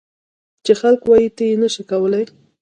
چې خلک وایي ته یې نه شې کولای.